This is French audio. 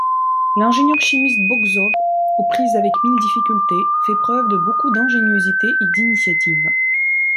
L'ingénieur-chimiste Boczov, aux prises avec mille difficultés, fait preuve de beaucoup d'ingéniosité et d'initiative.